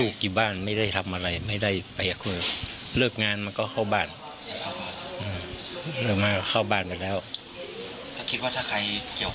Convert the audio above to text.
คุณไก๊ค่ะอยากจะดำเนินแต่นี้